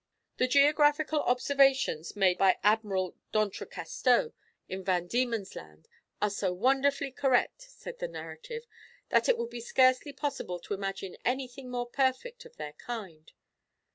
"The geographical observations made by Admiral D'Entrecasteaux in Van Diemen's Land are so wonderfully correct," says the narrative, "that it would be scarcely possible to imagine anything more perfect of their kind.